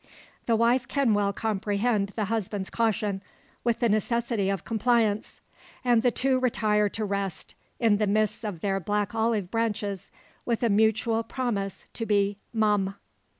The wife can well comprehend the husband's caution, with the necessity of compliance; and the two retire to rest, in the midst of their black olive branches, with a mutual promise to be "mum."